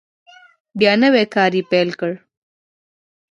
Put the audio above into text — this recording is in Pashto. بیا نوی کار یې پیل کړ.